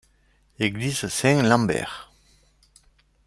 Église Saint-Lambert.